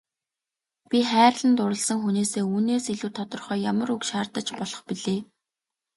Би хайрлан дурласан хүнээсээ үүнээс илүү тодорхой ямар үг шаардаж болох билээ.